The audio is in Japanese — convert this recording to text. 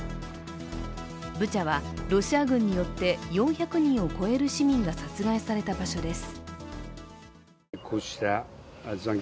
ブチャはロシア軍によって４００人を超える市民が殺害された場所です。